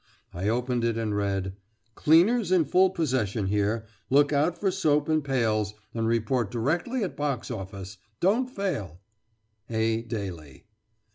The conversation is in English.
I opened it and read: "Cleaners in full possession here look our for soap and pails, and report directly at box office don't fail! A. DALY."